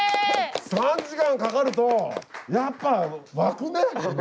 ３時間かかるとやっぱ湧くね！